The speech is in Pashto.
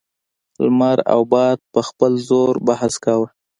لمر او باد په خپل زور بحث کاوه.